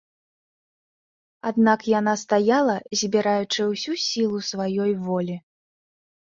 Аднак яна стаяла, збіраючы ўсю сілу сваёй волі.